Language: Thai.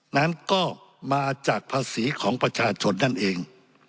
นั้นก็มาจากภาษีของประชาชนนั่นเอง